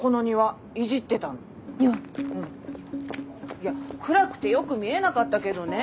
いや暗くてよく見えなかったけどね